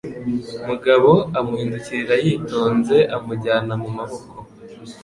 Mugabo amuhindukirira yitonze amujyana mu maboko.